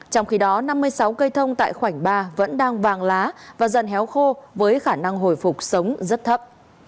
trong khi đó năm mươi sáu cây thông tại khoảnh ba vẫn đang vàng lá và dần héo khô với khả năng hồi phục sống rất thấp